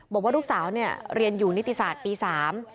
บอกว่าลูกสาวเนี่ยเรียนอยู่นิติศาสตร์ปีสาม